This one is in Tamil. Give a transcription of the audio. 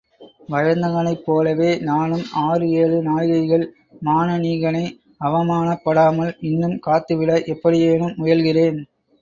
வயந்தகனைப் போலவே நானும் ஆறு ஏழு நாழிகைகள் மானனீகை அவமானப்படாமல் இன்னும் காத்துவிட எப்படியேனும் முயல்கிறேன்.